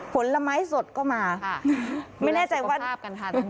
ผลไม้สดก็มาค่ะ